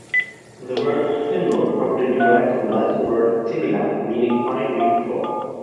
The word "simnel" probably derived from the Latin word "simila", meaning fine, wheaten flour.